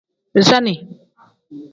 Bisaani.